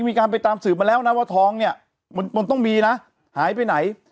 มีการไปตามสืบมาแล้วนะว่าทองเนี่ยมันต้องมีนะหายไปไหน